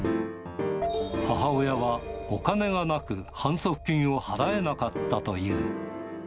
母親は、お金がなく、反則金を払えなかったという。